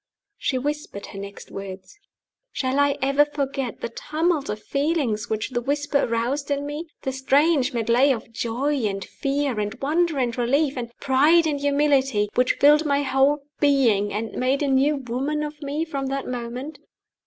She whispered her next words. Shall I ever forget the tumult of feelings which the whisper aroused in me the strange medley of joy and fear, and wonder and relief, and pride and humility, which filled my whole being, and made a new woman of me from that moment?